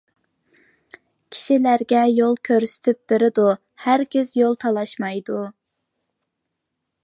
كىشىلەرگە يول كۆرسىتىپ بېرىدۇ، ھەرگىز يول تالاشمايدۇ.